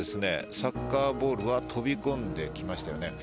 サッカーボールは飛び込んできましたよね。